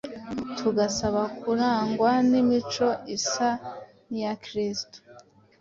tugasaba kurangwa n’imico isa n’iya Kristo